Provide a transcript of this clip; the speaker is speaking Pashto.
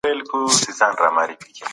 موږ رياضي ډېره تکراروو.